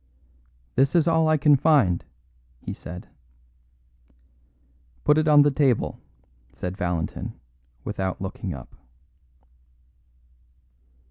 "This is all I can find," he said. "Put it on the table," said Valentin, without looking up.